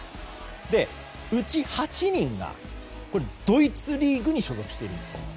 うち８人が、ドイツリーグに所属しているんです。